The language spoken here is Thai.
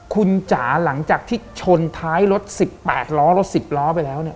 คุณจ๋าหลังจากที่ชนท้ายรถ๑๘ล้อรถ๑๐ล้อไปแล้วเนี่ย